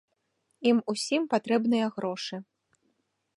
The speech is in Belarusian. Ім усім патрэбныя грошы.